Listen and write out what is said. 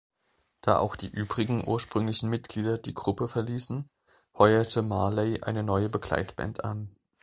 Da auch die übrigen ursprünglichen Mitglieder die Gruppe verließen, heuerte Marley eine neue Begleitband an.